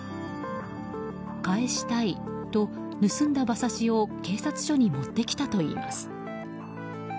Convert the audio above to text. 返したいと盗んだ馬刺しを警察署に持ってきたといいます。